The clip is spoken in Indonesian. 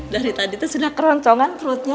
dari tadi tuh sudah keroncongan perutnya